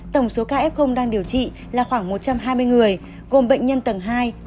tổng số ca f đang điều trị là khoảng một trăm hai mươi người gồm bệnh nhân tầng hai